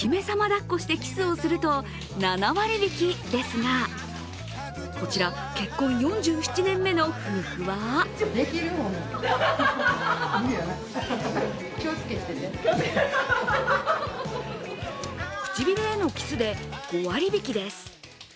だっこしてキスをすると、７割引きですがこちら結婚４７年目の夫婦は唇へのキスで５割引です。